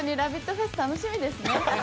フェス楽しみですね。